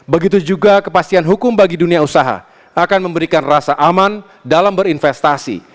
begitu juga kepastian hukum bagi dunia usaha akan memberikan rasa aman dalam berinvestasi